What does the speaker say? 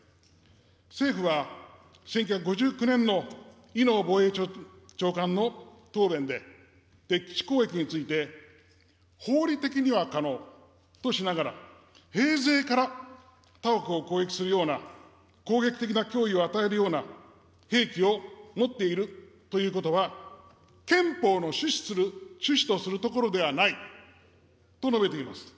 政府は１９５９年の伊能防衛庁長官の答弁で、敵基地攻撃について、法理的には可能としながら、平生から他国を攻撃するような攻撃的な脅威を与えるような兵器を持っているということは、憲法の趣旨とするところではないと述べています。